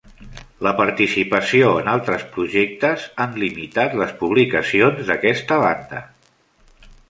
La participació en altres projectes han limitat les publicacions d'aquesta banda.